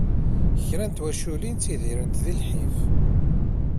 Kra n twaculin ttidirent di lḥif.